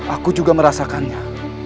aku juga merasakannya